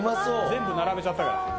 全部並べちゃったから。